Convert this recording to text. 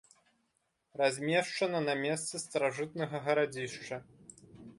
Размешчана на месцы старажытнага гарадзішча.